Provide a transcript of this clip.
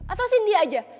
atasin dia aja